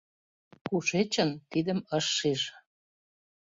Кушечын — тидым ыш шиж.